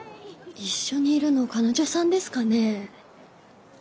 一緒にいるのカノジョさんですかね？